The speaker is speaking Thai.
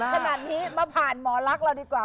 บริสุทธิ์ขนาดนี้มาผ่านหมอลักษณ์เราดีกว่า